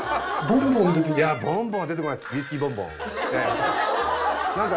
いやボンボンは出てこないです。